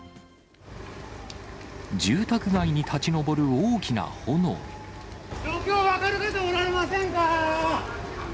住宅街に立ち上る大きな炎。状況分かる方、おられません